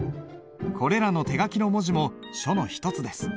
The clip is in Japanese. これらの手書きの文字も書の一つです。